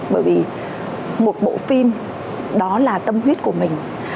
bởi vì một bộ phim đó là tâm huyết của mình